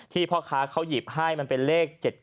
พ่อค้าเขาหยิบให้มันเป็นเลข๗๗